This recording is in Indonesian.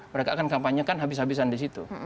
mereka akan kampanyekan habis habisan di situ